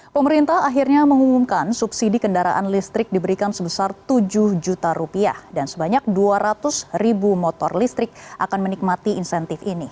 pemerintah akhirnya mengumumkan subsidi kendaraan listrik diberikan sebesar tujuh juta rupiah dan sebanyak dua ratus ribu motor listrik akan menikmati insentif ini